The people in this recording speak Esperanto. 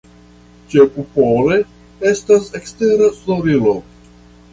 Ĉekupole estas ekstera sonorilo.